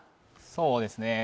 そうですね